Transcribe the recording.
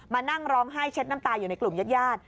มานั่งร้องไห้เช็ดน้ำตาอยู่ในกลุ่มญาติญาติ